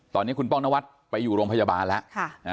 ตอนนี้คุณป้องนวัดไปอยู่โรงพยาบาลแล้ว